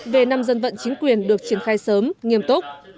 về năm dân vận chính quyền được triển khai sớm nghiêm túc